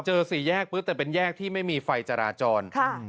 สี่แยกปุ๊บแต่เป็นแยกที่ไม่มีไฟจราจร